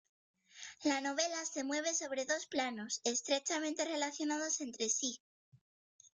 La novela se mueve sobre dos planos, estrechamente relacionados entre sí.